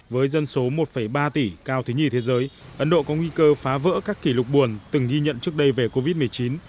với dân số một ba tỷ cao thứ nhì thế giới ấn độ có nguy cơ phá vỡ các kỷ lục buồn từng ghi nhận trước đây về covid một mươi chín